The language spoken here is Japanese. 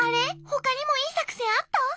ほかにもいいさくせんあった？